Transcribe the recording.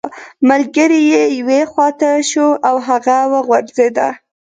ملګری یې یوې خوا ته شو او هغه وغورځیده